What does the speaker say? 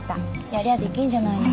やりゃあできんじゃないの。